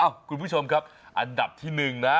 คุณผู้ชมครับอันดับที่๑นะ